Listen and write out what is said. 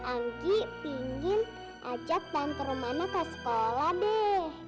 anggi pingin ajak tante rumana ke sekolah deh